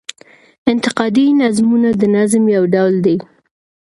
انتقادي نظمونه د نظم يو ډول دﺉ.